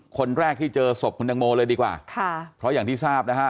คนแรกที่เจอศพคุณตังโมเลยดีกว่าค่ะเพราะอย่างที่ทราบนะฮะ